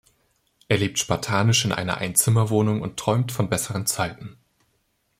Er lebt spartanisch in einer Einzimmerwohnung und träumt von besseren Zeiten.